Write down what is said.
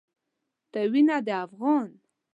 ته وينه د افغان